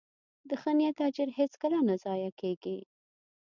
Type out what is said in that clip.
د ښه نیت اجر هیڅکله نه ضایع کېږي.